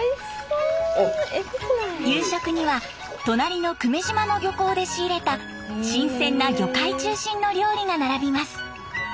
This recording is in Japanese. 夕食には隣の久米島の漁港で仕入れた新鮮な魚介中心の料理が並びます。